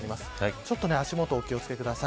ちょっと足元お気を付けください。